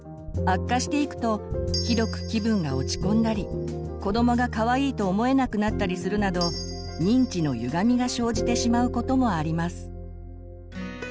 悪化していくとひどく気分が落ち込んだり子どもがかわいいと思えなくなったりするなど認知のゆがみが生じてしまうこともあります。